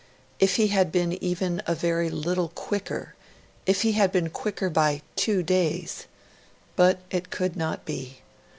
If he had been even a very little quicker if he had been quicker by two days ... but it could not be.